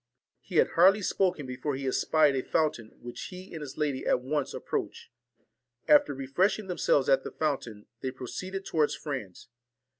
He had hardly spoken, before he espied a fountain, which he and his lady at once approached. After refreshing themselves at the fountain, they pro ceeded towards France.